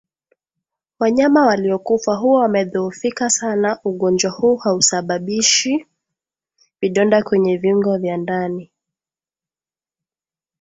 Wanyama waliokufa huwa wamedhoofika sana Ugonjwa huu hausababishi vidonda kwenye viungo vya ndani